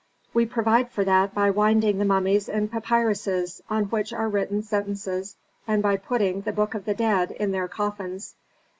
We provide for that by winding the mummies in papyruses, on which are written sentences, and by putting the 'Book of the Dead' in their coffins.